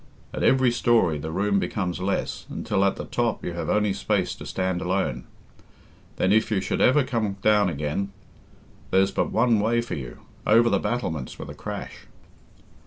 At every storey the room becomes less, until at the top you have only space to stand alone. Then, if you should ever come down again, there's but one way for you over the battlements with a crash."